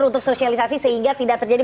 untuk sosialisasi sehingga tidak terjadi